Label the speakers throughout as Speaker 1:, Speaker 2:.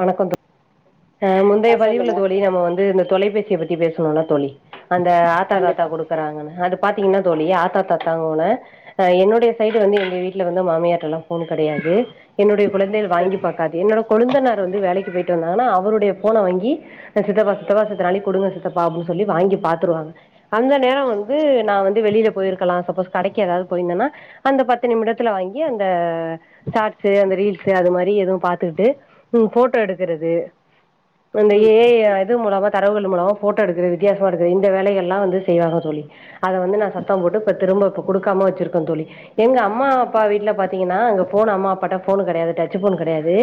Speaker 1: வணக்கோங்க ஆ முந்தய பதிவுல தோழி நம்ம வந்து இந்த தொலைபேசிய பத்தி பேசுனோம்ல தோழி அந்த ஆத்தா தாத்தா
Speaker 2: கண்டிப்பா
Speaker 1: குடுக்குறாங்கன்னு அது பாத்தீங்கன்னா ஆத்தா தாத்தான என்னுடைய சைடுவந்து எங்க வீட்ல வந்து மாமியார் எல்லா போன் கிடையாது என்னுடைய குழந்தை
Speaker 2: சரி
Speaker 1: வாங்கி பாக்காது என்னோடய கொழந்தனார் வேலைக்குபோயிட்டு வந்தாங்கா அவருடைய போன்ன வாங்கி சித்தப்பா சித்தப்பா சட்ட நாளி குடுங்க சித்தப்பா வாங்கி பாத்துருவாங்க அந்த நேரம் வந்து நான் வந்து வெளில போயிருக்கலாம் கடை ஏதாது போயிருந்த அந்த பத்து நிமிடத்துல வாங்கி அந்த சாட்ஸ்சு ரீஸ்சு மாரி பாத்துட்டு ம் போட்டோ எடுக்கிறது அந்த
Speaker 2: ம்
Speaker 1: ஏ ஐ ய அது மூலமா தரவுகள் மூலமா போட்டோ எடுக்கற வித்தியாசமா எடுக்குது இந்த வேலைகள் எல்லாம் வந்து செய்வாங்க தோழி அதை வந்து நான்
Speaker 2: ம்
Speaker 1: சத்தம் போட்டு இப்ப திரும்ப இப்ப குடுக்காம வச்சிருக்கேன் தோழி எங்க அம்மா அப்பா வீட்ல பாத்தீங்கன்னா அங்க போன் அம்மா அப்பா போன் கிடையாது டச்சுபோன் கிடையாது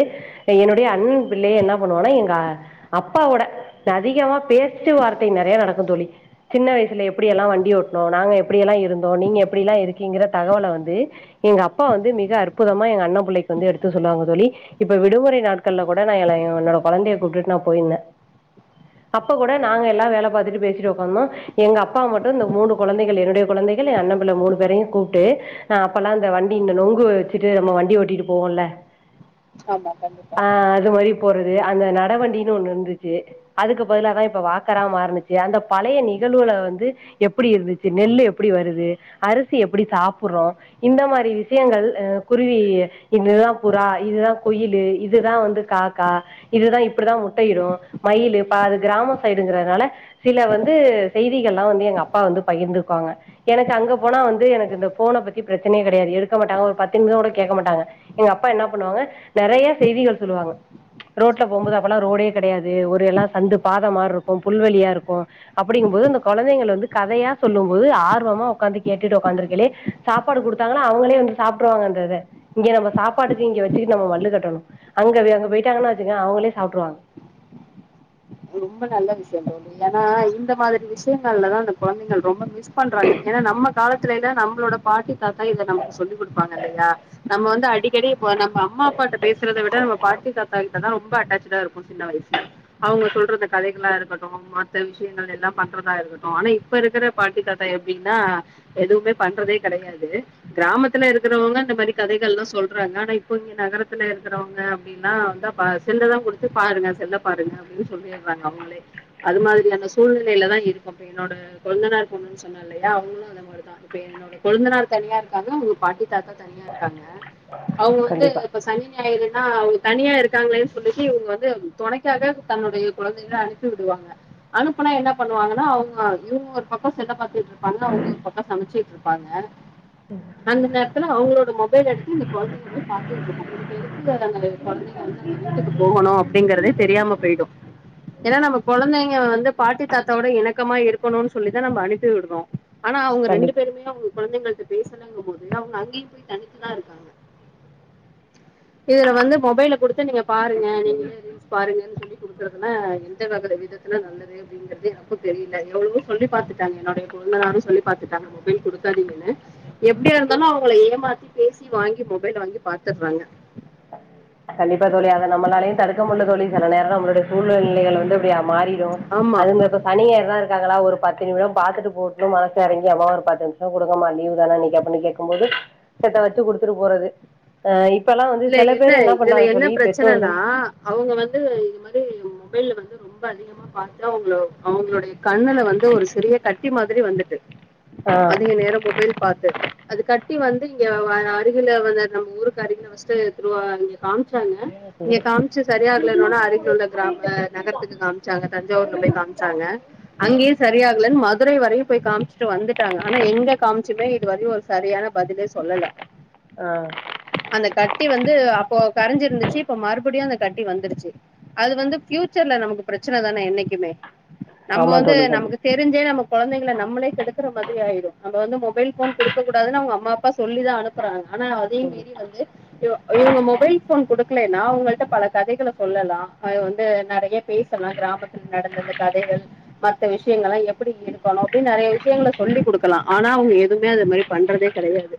Speaker 1: என்னுடைய
Speaker 2: ம்
Speaker 1: அண்ணன் பிள்ளைகள் என்ன பண்ணுவங்கா எங்க அப்பாவோட அதிகமா பேச்சு வார்த்தை நிறைய நடக்கும் தோழி சின்ன வயசுல எப்படிய எல்லாம் வண்டி ஓட்டனோம் நாங்கள் எப்டியெல்லாம் இருந்தோம் நீங்க எப்டியெல்லாம் இருக்கீங்கிற தகவலை வந்து எங்க அப்பா வந்து மிக அற்புதமா எங்க அண்ணன் பிள்ளைக்கு வந்து எடுத்து சொல்லுவாங்க தோழி இப்ப விடுமுறை விடுமுறை நாள்கல்ல கூட நான் என்னோட குழந்தையை கூப்பிட்டு நான் போயிருந்தேன் அப்ப கூட நாங்க
Speaker 2: ம்
Speaker 1: எல்லாம் வேலை பாத்தட்டு பேசிட்டு உக்காந்து இருந்ததோம் எங்க அப்பா மட்டும் இந்த மூணு குழந்தைகள் என்னுடைய குழந்தைகள் என் அண்ணல மூணு பேரையும் கூப்பிட்டு நான் அப்ப எல்லாம் இந்த வண்டி இந்த நெங்கு வச்சுட்டு நம்ம வண்டி ஒடிட்டு போவோம்ல
Speaker 2: ஆமா கண்டிப்பா
Speaker 1: போறது அந்த நடவண்டின்னு ஒண்ணு இருந்துச்சு அதுக்கு பதில தான் இப்ப வாக்கரா மாறந்துச்சு அந்த பழைய நிகழ்வுல வந்து எப்டி இருந்துச்சு நெல்லு எப்படி வருது அரிசி எப்டி சாப்படுறோம் இந்த மாரி விஷயங்கள் குருவி இது தா புறா இது தா குயிலு இதுதான் வந்து காக்கா இதுதான் இப்டிதான் முட்டையிடும் மயிலு இ அது கிராமம் சைடுங்கிறதுனால சில வந்து செய்திகள்எல்லாம் வந்து எங்க அப்பா வந்து பகிர்ந்துக்குவாங்க எனக்கு அங்க போனா வந்து எனக்கு இந்த போனை பத்தி பிரச்சனையே கிடையாது எடுக்க மாட்டாங்க ஒரு பத்து நிமிஷம் கூட கேட்க மாட்டாங்க எங்க அப்பா என்ன பண்ணுவாங்க நிறைய செய்திகள் சொல்லுவாங்க ரோட்டூல போகும்போது அப்பல்லாம் ரோடே கிடையாது ஒரு எல்லாம் சந்து பாதமா இருக்கும் புல்வெளியா இருக்கும் அப்டிங்கும்போது அந்த குழந்தைங்க வந்து கதையா சொல்லும் போது ஆர்வமா உட்காந்து கேட்டுட்டு உக்காந்துருக்கலே சாப்பாடு குடுத்தாங்களன்னா அவங்களே வந்து சாப்பிடுருவாங்க அந்ததை இங்க நம்ம சாப்பாட்டுக்கு இங்க வச்சு நம்ம மல்லு கட்டணும் அங்க அங்க போய்டிட்டாங்கன்னா அவங்களே சாப்பிட்டுருவாங்க
Speaker 2: ரொம்ப நல்ல விஷயம் தோழி ஏன்னா இந்த மாரி விஷயங்கல்லம்தான் அந்த குழந்தைகள் ரொம்பவே மிஸ் பண்றாங்க ஏன்னா நம்ம காலத்துலல்ல நம்மளோட பாட்டி தாத்தா இதை நமக்கு சொல்லிக் குடுப்பாங்க இல்லயா நம்ம வந்து அடிக்கடி நம்ம அம்மா அப்பா பேசறத விட நம்ம பாட்டி தாத்தா கிட்ட தா ரொம்ப அட்டாச்ச்டா இருக்கும் சின்ன வயசுல அவுங்க சொல்ற அ கதைகளா இருக்கட்டும் மற்ற விஷயங்கள் எல்லா பண்றதா இருக்கட்டும் ஆனா இப்ப இருக்கிற பாட்டி கதை அப்டின்னா எதுவுமே பண்றதே கிடையாது கிராமத்துல இருக்கிறவங்க இந்த மாரி கதைகள் எல்லாம சொல்றாங்க ஆனா இப்ப இங்க நகரத்துல இருக்கிறவங்க அப்படின்னா வந்தா செல்ல தா குடுத்து பாருங்க செல் பாருங்க அப்டின்னு சொல்லிடுறாங்க அவங்களே அது மாரி அந்த சூழ்நிலையில தான் இருக்கும் இப்ப என்னோட கொழந்தனார் பெண்ணுன்ன சொன்னா இல்லையா அவங்களும் அந்த மாரிதான் இப்ப என்னோட கெழந்தனாார் தனியா இருக்காங்க அவங்க பாட்டி தாத்தா தனியா இருக்காங்க அவுங்க வந்து
Speaker 1: கண்டிப்பா
Speaker 2: இப்ப சனி இப்பன்னா அவுங்க தனியா இருக்காங்களேன்னு சொல்லிட்டு இங்க வந்து துணைக்காக தன்னுடைய குழந்தைகளை அனுப்பி விடுவாங்க அனுப்புனா என்ன பண்ணுவாங்கன்னா அவுங்க இவுங்க ஒரு பக்கம் செல்ல பாத்துட்டு இருப்பாங்க அவுங்க ஒரு பக்கம் சமைச்சுட்டு இருப்பாங்க அந்த நேரத்துல அவங்களோட மொபைல் எடுத்து இந்த குழந்தைங்கள் பாத்துட்டு இருக்கும் இதுக்கு எடுத்து அந்த குழந்தைங்க வந்து அந்த வீட்டுக்கு போகணும் அப்டிங்கறதே தெரியாம போயிடும் ஏன்னா நம்ம குழந்தைங்க வந்து பாட்டி தாத்தாவோட இனக்கமா இருக்கணும்னு சொல்லி தா நம்ம அனுப்பி விடுறோம் ஆனா அவங்க ரெண்டு
Speaker 1: கண்டிப்பா
Speaker 2: பேருமே அவங்க கொழந்தைங்கள் ட்ட பேசலங்கம் போது அவுங்க அங்கயு போயி தனித்துதா இருக்காங்க. இதுல வந்து மொபைல குடுத்து நீங்க பாருங்க நீங்களே ரீல்ஸ் பாருங்கன்னு சொல்லி குடுக்குறதுலா எந்த வக விதத்துல நல்லது அப்டிங்கறது எனக்கு தெரியல எவ்ளவோ சொல்லி பாத்துட்டாங்க என்னுடைய கொழுந்தனாரு சொல்லி பாத்துட்டாங்க மொபைல் குடுக்காதீங்கன்னு எப்டியா இருந்தாலு அவங்கள ஏமாத்தி பேசி வாங்கி மொபைல வாங்கி பாத்தர்றாங்க.
Speaker 1: கண்டிப்பா தோழி அத நம்மளாலயு தடுக்க முடில தோழி செல நேரோ நம்மளுடைய சூழ்நிலைகள் வந்து அப்டியா மாறி ரு
Speaker 2: ஆமா
Speaker 1: அதே மாரிதா சனி ஞாயிறுனா இருக்காங்களா ஒரு பத்து நிமிடம் பாத்துட்டு போகுட்டுனு மனசு எறங்கி அம்மா ஒரு பத்து நிமிஷோ குடுங்கம்மா லீவுதான இன்னக்கி அப்டின்னு கேக்கும்போது செத்த வச்சு குடுத்துட்டு போறது ஆ இப் பல்லா வந்து சில பேர் என்ன
Speaker 2: இதுல
Speaker 1: பண்றாங்க
Speaker 2: என்ன
Speaker 1: தோழி பெற்றோர்கள்
Speaker 2: பிரச்சனன்னா அவங்க வந்து இது மாரி மொபைல வந்து ரொம்ப அதிகமா பாத்து அவங்களோ அவங்களுடைய கண்ணுல வந்து ஒரு சிறிய கட்டி மாதிரி வந்துட்டு
Speaker 1: ஆஹ்
Speaker 2: அதிக நேரோ மொபைல் பாத்து அது கட்டி வந்து இங்க வ அருகில வந்து நம்ம ஊருக்கு அருகில வசி ச்சு திரும்பா அங்க காமிச் சாங்க இங்க காமிச்சு சரி ஆகலனவுனே அருகில உள்ள கிராம நகரத்துக்கு காமிச்சாங்க தஞ்சாவூர்ல போய் காமிச்சாங்க. அங்கயு சரியாகலன்னு ம துரை வரையு போய் காமிச்சுட்டு வந்துட்டாங்க. ஆனா எங்க காமிச்சுமே இதுவரையு ஒரு சரியான பதிலே சொல்லல.
Speaker 1: ஆ
Speaker 2: டி அப்போ கரைஞ்சிருந்துச்சு இப்ப மறுபடியு அந்த கட்டி வந்துருச்சு. அது வந்து ஃபியூச்சர்ல நமக்கு பிரச்சன தானே என்னைக்குமே நம்ம
Speaker 1: ஆமா
Speaker 2: வந்து
Speaker 1: தோழி
Speaker 2: நமக்கு
Speaker 1: கண்டிப்பா
Speaker 2: தெரிஞ்சே நமக்கு கொழந்தைளை நம்மளே கெடுக்கிற மாதிரி ஆயிடு நம்ம வந்து மொபைல் ஃபோன் குடுக்கக் கூடாதுன்னு அவங்க அம்மா அப்பா சொல்லிதா அனுப்புறாங்க ஆனா அதையு மீறி வந்து இவ் இவங்க மொபைல் ஃபோன் குடுக்கலைன்னா அவங்கள்ட்ட பல கதைகள சொல்லலா ஆ வந்து நெறைய பேசலா கிராமத்துல நடந்த அந்த கதைகள் மத்த விஷயங்கள்லா எப்படி இருக்கணு அப்டின்னு நெறைய விஷயங்கள சொல்லி குடுக்கலாம் ஆனா அவங்க எதுவுமே அது மாரி பண்றதே கெடையாது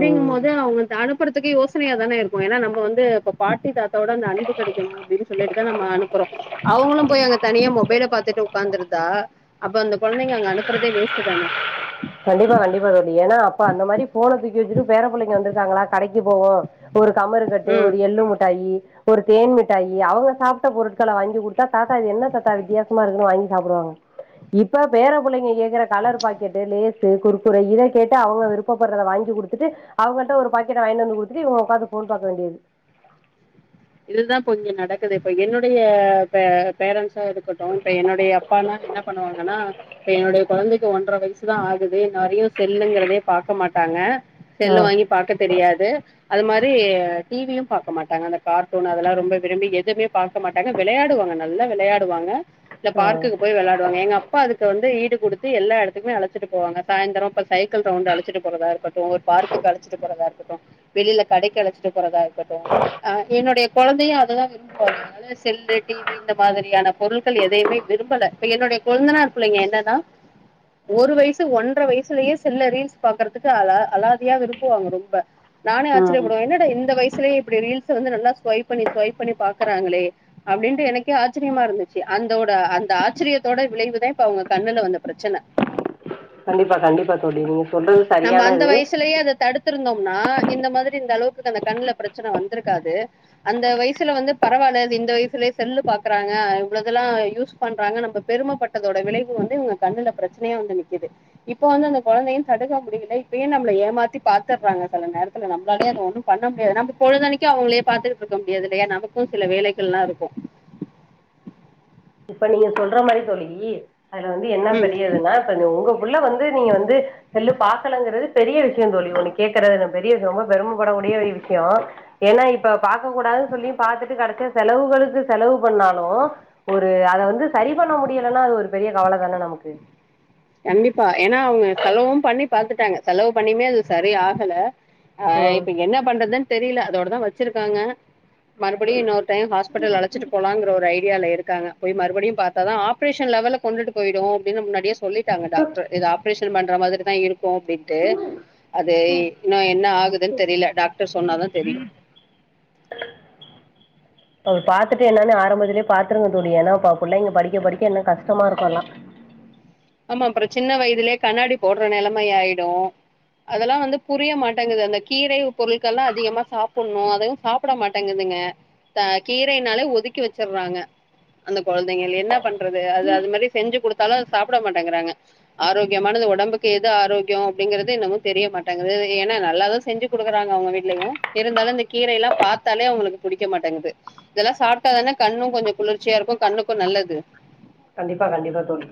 Speaker 1: ம் ம்
Speaker 2: போது அவங்கள்ட்ட அனுப்புறதுக்கே யோ சனையாதான இருக்கு ஏன்னா நம்ம வந்து இப்ப பாட்டி தாத்தாவோட அந்த அன்பு கெடைக்கணு அப்படின்னு சொல்லிட்டுதா நம்ம அனுப்புறோ அவங்களு போய் அங்க தனியா மொபைல பாத்துட்டு உக்காந்துருந்தா அப்ப அந்த கொழந்தைங்க அங்க அனுப்புறதே வேஸ்ட்டுதான
Speaker 1: கண்டிப்பா கண்டிப்பா தோழி ஏன்னா அப்ப அந்த மாரி ஃபோன தூக்கி வச்சுட்டு பேர புள்ளைங்க வந்திருக்காங்களா கடைக்கி போவோ ஒரு கமருகட்டு
Speaker 2: ம்
Speaker 1: ஒரு எள்ளு முட்டாயி ஒரு தேன் மிட்டாயி அவங்க சாப்ட்ட பொருட்கள வாங்கி குடுத்தா தாத்தா இது என்ன தாத்தா வித்தியாசமா இருக்குன்னு வாங்கி சாப்புடுவாங்க இப்ப பேர பிள்ளைங்க கேக்கற கலரு பாக்கெட்டு லே ஸு குர்க்குரே இத கேட்டு அவங்க விருப்பப்படுறத வாங்கி குடுத்துட்டு அவங்கள்ட்ட ஒரு பாக்கெட்ட வாங்கிட்டு வந்து குடுத்துட்டு இவங்க உக்காந்து ஃபோன் பாக்க வேண்டியது
Speaker 2: இதுதா இப்போ இங்க நடக்குது இப்ப என்னுடைய பே பேரண்ட்ஸா இருக்கட்டு இப்ப என்னுடைய அப்பால்லா என்ன பண்ணுவாங்கன்னா இப்ப என்னுடைய கொழந்தைக்கு ஒன்ர வயசுதா ஆகுது நெறைய செல்லுங்கிறதே பாக்க மாட்டாங்க
Speaker 1: ஆ
Speaker 2: செல்லு வாங்கி பாக்க தெரியாது அது மாரி டி வி யு பாக்க மாட்டாங்க அந்த கார்ட்டூன் அதெல்லா ரொம்ப விரும்பி எதுமே பாக்க மாட்டாங்க வெளையாடுவாங்க நல்லா வெளையாடுவாங்க இல்ல
Speaker 1: ஆ
Speaker 2: பார்க்குக்கு போய் வெளையாடுவாங்க எங்க அப்பா அது க்கு வந்து ஈடு குடுத்து எல்லா எடத்துக்குமே அழைச்சிட்டு போவாங்க. சாயந்தரோ இப்ப சைக்கிள் ரவுண்ட் அழைச்சிட்டு போறதா இருக்கட்டு ஒரு பார்க்குக்கு அழைச்சிட்டு போறதா இருக்கட்டு வெளில கடைக்கு அழைச்சிட்டு போறதா இருக்கட்டு அ என்னுடைய கொழந்தையு அததா விரும்புவாங்க அதனால செல்லு டி வி இந்த மாதிரியான பொருட்கள் எதையுமே விரும்பல இப்ப என்னுடைய கொழந்தனார் புள்ளைங்க என்னனா ஒரு வயசு ஒன்ற வயசுலயே செல்ல ரீல்ஸ் பாக்குறதுக்கு அலா அலாதியா விரும்புவாங்க ரொம்ப நானே
Speaker 1: ம்
Speaker 2: ஆச்சரியப்படுவே என்னடா இந்த வய சுலயே இப்பிடி ரீல் ஸ வந்து நல்லா ஸ்வைப் பண்ணி ஸ்வைப் பண்ணி பாக்குறாங்களே அப்டின்ட்டு எனக்கே ஆச்சரியமா இருந்துச்சு அந்தோட அந்த ஆச்சரியத்தோட விளைவுதா இப்ப அவுங்க கண்ணுல வந்த பிரச்சன
Speaker 1: கண்டிப்பா கண்டிப்பா தோழி நீ ங்க சொல்றது சரியான இது
Speaker 2: த்துருந்தோம்னா இந்த மாதிரி இந்த அளவுக்கு அந்த கண்ணுல பிரச்சன வந்துருக்காது அந்த வயசுல வந்து பரவால்ல இது இந்த வயசுலயே செல்லு பாக்குறாங்க இவ்ளதெல்லா யூஸ் பண்றாங்க நம்ப பெருமப்பட்டதோட விளைவு வந்து இவுங்க கண்ணுல பிரச்சனையா வந்து நிக்குது இப்ப வந்து அந்த கொழந்தையு தடுக்க முடியில இப்பயு நம்மள ஏமாத்தி பாத்துட்றாங்க செல நேரத்துல நம்ளாலே அத ஒன்னு பண்ண முடியாது எனா பொழுதுதன்னைக்கு அவுங்களே பாத்துட்டு இருக்க முடியாதுல்லயா நமக்கு சில வேலைகள்லா இருக்கு
Speaker 1: இப்ப நீங்க சொல்ற மாரி தோழி அதுல வந்து என்ன
Speaker 2: ம்
Speaker 1: பெரியதுனா இப்ப உங்க புள்ள வந்து நீங்க வந்து செல்லு பாக்கலங்குறது பெரிய விஷய தோழி ஒன்னு கேக்குறது பெரிய ரொம்ப பெருமப்படக்கடிய ஒரு விஷ்யொ ஏனா இப்ப பாக்க கூடாது சொல்லியா பாத்துட்டு கடசில செலவுகளுக்கு செலவு பண்ணாலு ஒரு அத வந்து சரி பண்ண முடியலன்னா அது ஒரு பெரிய கவல தான நமக்கு
Speaker 2: ட்டாங்க செலவு பண்ணியுமே அது சரி ஆகல ஆ
Speaker 1: ம்
Speaker 2: இப்ப என்ன பண்றதுன் தெரில அதோட தா வச்சுருக்காங்க மறுபடியு இன்னொரு டையொ ஹாஸ்பிடல் அழச்சிட்டு போலங்குற ஒரு ஐடியால இருக் காங்க போய் மறுபடியு பாத்தாதா ஆப்ரேஷன் லெவல்ல கொண்டுட்டு போயிடு அப்டினு முன்னாடிய சொ டாங்க டாக்ட்ரு இது ஆப்ரேஷ ன் பண்ற மாதிரி தா இருக் கு அப்டின்ட்டு அது இன்னு என்ன ஆகுதுன் தெரியில டாக்டர் சொன்னாதா தெரியு
Speaker 1: அத பாத்துட்டு என்னன்னு ஆரம்பத்துலயே பாத்துருங்க தோழி ஏன்னா ப புள்ளைங்க படிக்க படிக்க இன்னு கஷ்டமா இருக்கு எல்லா
Speaker 2: ஆமா அப்றொ சின்ன வயதிலே கண்ணாடி போட்ற நெலமை ஆயிடு அதல்லா வந்து புரிய மாட்டங்குது அந்த கீரை பொருட்களா அதிகமா சாப்புன்னு அதயு சாப்புட மாட்டெங்குதுங்க த கீரைனாலே ஒதுக்கி வச்சர்றாங்க அந்த கொழந்தைங்கள் என்ன பண்றது அது அது மாரி செஞ்சு குடுத்தாலு அத சாப் புட மாட்டெங்குறாங்க ஆரோக்கியமானத உடம்புக்கு எது ஆரோக்யொ அப்டிங்கிறது இன்னமு தெரிய மாட்டங்குது ஏனா நல்லாதா செஞ்சு குடுக்குறாங்க அவுங்க வீட்லயு இருந்தாலு இந்த கீரைலா பாத்தாலே அவுங்களுக்கு புடிக்கமாட்டேங்கது இதெல்லா சாப்டாதானே கண்ணு கொஞ்சொ குளிர்ச்சியா இருக்கு கண்ணுக்கு நல்லது
Speaker 1: கண்டிப்பா கண்டிப்பா தோழி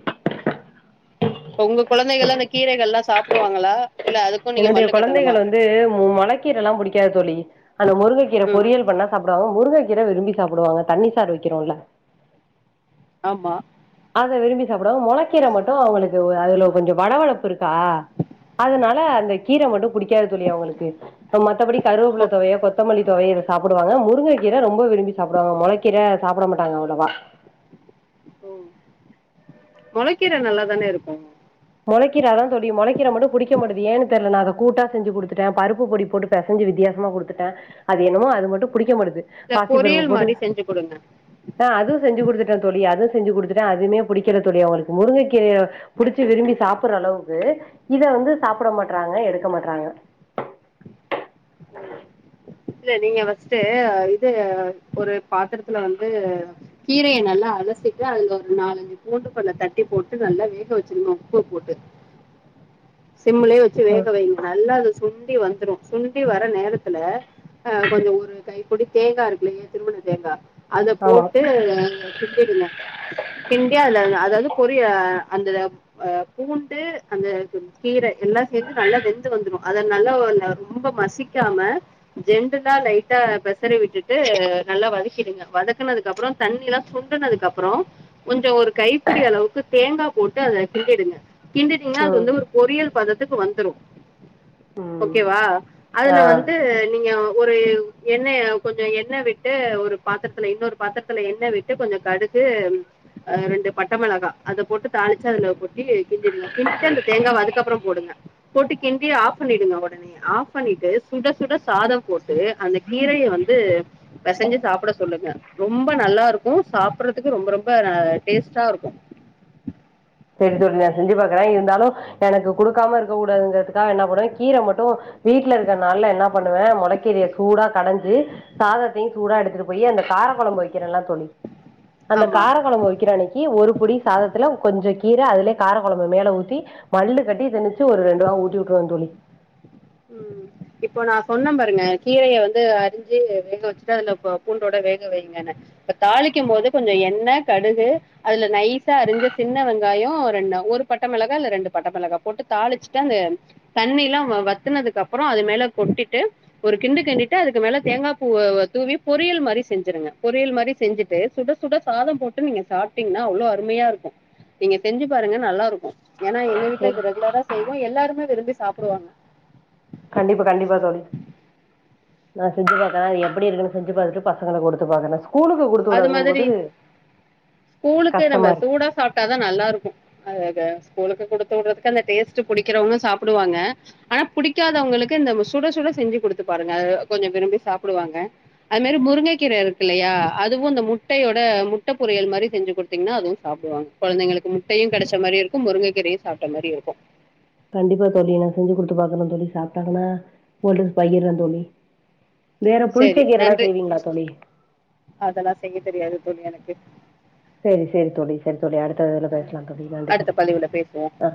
Speaker 2: உங்க கொழந்தைகள்லா இந்த கீரைகள்லா சாப்புடுவாங்களா
Speaker 1: என்னுடைய கொழந்தைகள் வந்து மொளக்கீரல்லா புடிக்காது தோழி அந்த முருங்க கீர
Speaker 2: ம்
Speaker 1: பொரியல் பண்ணா சாப்டுவாங்க முருங்க கீர விரும்பி சாப்புடுவாங்க தண்ணி சாறு வக்கிறோல்ல
Speaker 2: ஆமா
Speaker 1: அத விரும்பி சாப்புடுவாங்க மொளக்கீர மட்டு அவுங்களுக்கு அதுல கொஞ்சொ வழவழப்பு இருக்கா அதுனால அ ந்த கீர மட்டு புடிக்காது தோழி அவுங்களுக்கு மத்தபடி
Speaker 2: மொ
Speaker 1: கருவப்புல தொவைய கொத்தமல்லி தொவைய இத சாப்புடுவாங்க மு ருங்க கீர ரொம்ப விரும்பி சாப்புடுவாங்க மொளக்கீர சாப்டமாட்டாங்க அவ்ளவா
Speaker 2: ம் மொளக்கீர நல்லாதான இருக்கு
Speaker 1: மொளக்கீர அதா தோழி மொளக்கீர மட்டு புடிக்க மாட்டிது ஏன்னு தெர்ல நா அத கூட்டா செஞ்சு குடுத்துட்டே பருப்பு பொடி போட்டு பெசஞ்சு வித்தியாசமா குடுத்துட்டே அது என்னமோ அது மட்டு புடிக்கமாட்டது
Speaker 2: இல்ல
Speaker 1: பாசி பருப்ப
Speaker 2: பொரியல்
Speaker 1: போட்டு
Speaker 2: மாரி செஞ்சு குடுங்க
Speaker 1: ஆ அதுவும் செஞ்சு கொடுத்துட்டேன் தோழி அது செஞ்சி கொடுத்துட்டேன் அதுமே புடிக்கல தோழி அவுங்களுக்கு முருங்க கீரைய புடிச்சி கீரை விரும்பி சாப்பற அளவுக்கு இத வந்து சாப்பிட மாட்றாங்க எடுக்க மாட்றாங்க
Speaker 2: இல்ல நீங்க ஃபர்ஸ்டு இது ஒரு பாத்தரத்துல வந்து கீரைய நல்லா அலசிட்டு அதுல ஒரு நாலஞ்சு பூண்டு பள்ள தட்டி போட்டு நல்லா வேக வச்சிருனும் உப்பு போட்டு சிம்லயே வச்சு
Speaker 1: ம்
Speaker 2: வேக வைங்க நல்லா அது சுன் டி வந்துரும் சு ன்டி வர நேரத்துல அ கொஞ்ச ஒரு கைப்படி தேங்கா இருக்குலையே திருவுண தேங்கா அத
Speaker 1: ஆமா.
Speaker 2: போட்டு கிண்டிடுங்க கிண்டி அத அதாவது பொரியா அந்த பூண்டு அந்த கீரை எல்லா சேர்ந்து நல்லா வெந்து வந்துடும் அத நல்லா ரொம்ப மசி சிக்காம ஜெண்டலா லைட்டா பெசறி விட்டுட்டு நல்லா வதக்கிடுங்க வதக்கனதுக்கு அப்பறோம் தண்ணில்லா சுண்டனதுக்கு அப்பறோம் கொஞ்ச ஒரு கைப்பிடி அளவுக்கு தேங்காய் போட்டு அத கிண்டிடுங்க கிண்டுட்டீங்கனா அது
Speaker 1: ம்
Speaker 2: வந்து ஒரு பொியல் பதத் த்துக்கு வந்துரும்
Speaker 1: ம்
Speaker 2: ஓகேவா
Speaker 1: ஆ
Speaker 2: அதுல வந்து நீங்க ஒரு எண்ணெய்ய கொஞ்ச எண்ணெ விட்டு ஒரு பாத்திரத்துல இன்னொரு பாத்திரத்துல எண்ணெய் விட்டு கொஞ்ச கடுகு ஆ ரெண்டு பட்டை மிளகா அத போட்டு தாளிச்சு அதுல கொட்டி கிண்டுடிங்க கிண்டிட்டு அந்த தேங்காவ அதுக்கப்புறோம் போடுங்க போட்டு கிண்டி ஆஃப் பண்ணிடுங்க உடனே ஆஃப் பண்ணிட்டு சுட சுட சாதம் போட்டு அந்த கீரைய வந்து பெசஞ்சு சாப்பிட சொல்லுங்க ரொம்ப நல்லா இருக்கும் சாப்பிடுறதுக்கு ரொம்ப ரொம்ப அ டேஸ்டா இருக்கும்
Speaker 1: செரி தோழி நான் செஞ்சு பாக்குறேன் இருந்தாலும் எனக்கு குடு க்காம இருக்க கூடதுங்கதுக்காக என்னபன்னேன் கீர மட்டு வீட்ல இருக்கனால என்ன பண்ணுவேன் மொளைக்கீரிய சூடா கடைஞ்சு சாதத்தையும் சூடா எடுத்துட்டு போயி அந்த கார குழம்பு வைக்கிறேன்ல்ல தோழி அந்த
Speaker 2: ஆமா
Speaker 1: காரைக்கழம்பு வைக்கிற அன்னைக்கு ஒரு புடி சாதத்துல கொஞ்சம் கீரை அதுலயே கார குழம்பு மேல ஊத்தி மல்லு கட்டி திணிச்சு ஒரு ரெண்டு வா ஊட்டி விட்டுருவேன் தோழி
Speaker 2: ம் இப்போ நான் சொன்னேன் பாருங்க கீரைய வந்து அரிஞ்சு வேக வச்சுட்டு அதுல பூண்டோட வேக வைங்கன்னு இப்ப தாளிக்கும் போது கொஞ்சம் எண்ணெய் கடுகு அதுல நைசா அரிஞ்ச சின்ன வெங்காயம் ரெண் ஒரு பட்டை மிளகா இல்ல ரெண்டு பட்டை மிளகா போட்டு தாளிச்சுட்டு அந்த தண்ணி எல்லாம் வத் சுத்துனதுக்கு அப்புறம் அது மேல கொட்டிட்டு ஒரு கிண்டு கிண்டிட்டு அதுக்கு மேல தேங்காய் பூ தூவி பொரியல் மாதிரி செஞ்சுருங்க பொரியல் மாதிரி செஞ்சுட்டு சுட சுட சாதம் போட்டு நீங்க சாப்பிட்டீங்கன்னா அவ்வளவு அருமையா இருக்கும் நீங்க செஞ்சு பாருங்க நல்லா இருக்கும் ஏன்னா எங்க வீட்டுல
Speaker 1: சரி
Speaker 2: இது ரெகுலரா செய்வோம் எல்லாருமே விரும்பி சாப்பிடுவாங்க
Speaker 1: கண்டிப்பா கண்டிப்பா தோழி நான் செஞ்சு பாக்கேன் அது எப்படி இருக்குன்னு செஞ்சு பாத்துட்டு பசங்களுக்கு குடுத்து பாக்கேன்
Speaker 2: அது மாதிரி ஸ்கூலுக்கு நம்ம
Speaker 1: கஷ்டமா இருக்கு
Speaker 2: சூடா சாப்பிட்டாதான் நல்லா இருக்கும் அ ஸ்கூலுக்கு குடுத்து விடுறதுக்கு அந்த டேஸ்ட் புடிக்கிறவங்க சாப்டுவாங்க ஆனா புடிக்காதவங்களுக்கு இந்த சுட சுட செஞ்சு கொடுத்து பாருங்க கொஞ்சம் விரும்பி சாப்டுவாங்க அது மாதிரி முருங்கைக்கீரை இருக்கு இல்லையா அதுவும் இந்த முட்டையோட முட்டை பொரியல் மாதிரி செஞ்சு கொடுத்தீங்கன்னா அதுவும் சாப்டுவாங்க குழந்தைங்களுக்கு முட்டையும் கெடைச்ச மாரியும் இருக்கும் முருங்கக்கீரையும் சாப்ட்ட மாரி இருக்கும்
Speaker 1: கண்டிப்பா தோழி நான் செஞ்சு குடுத்து பாக்கணும் தோழி சாப்ட்டாங்கன்னா குடுத் பழகியறேன் தோழி வேற புளிச்ச
Speaker 2: சேரி
Speaker 1: கீரல்லா
Speaker 2: நன்றி
Speaker 1: செய்வீங்களா தோழி
Speaker 2: அதெல்லா செய்ய தெரியாது தோழி எனக்கு
Speaker 1: சேரி சேரி தோழி சேரி தோழி அடுத்த இதுல பேசலா தோழி நன்றி
Speaker 2: அடுத்த
Speaker 1: தோழி
Speaker 2: பதிவுல பேசுவோ
Speaker 1: ஆ